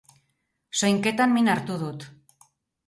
Soinketan min hartu dut.